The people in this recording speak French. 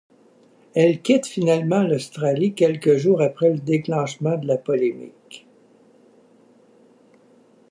Elle quitte finalement l'Australie quelques jours après le déclenchement de la polémique.